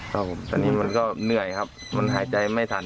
ครับผมตอนนี้มันก็เหนื่อยครับมันหายใจไม่ทัน